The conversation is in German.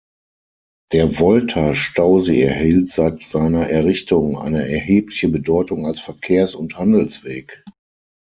Der Volta-Stausee erhielt seit seiner Errichtung eine erhebliche Bedeutung als Verkehrs- und Handelsweg.